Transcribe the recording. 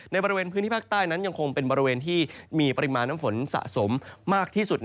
บริเวณพื้นที่ภาคใต้นั้นยังคงเป็นบริเวณที่มีปริมาณน้ำฝนสะสมมากที่สุด